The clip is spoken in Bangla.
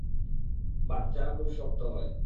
বাচ্চারা খুব শক্ত হয়।